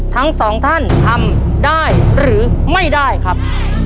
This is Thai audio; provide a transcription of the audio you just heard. ทั้งสองท่านทำได้หรือไม่ได้ครับ